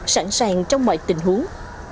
sẵn sàng trong mọi tình huống